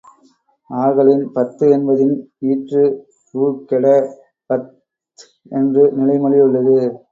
ஆகலின், பத்து என்பதின் ஈற்று உ கெட, பத்த் என்று நிலை மொழி உள்ளது.